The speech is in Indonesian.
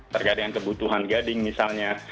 terkadang kebutuhan gading misalnya